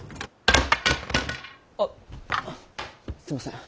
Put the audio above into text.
あっすみません。